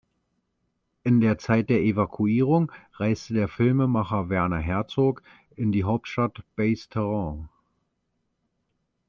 In der Zeit der Evakuierung reiste der Filmemacher Werner Herzog in die Hauptstadt Basse-Terre.